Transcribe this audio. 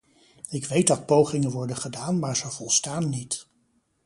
Ik weet dat pogingen worden gedaan maar ze volstaan niet.